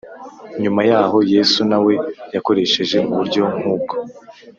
nyuma yaho, yesu na we yakoresheje uburyo nk’ubwo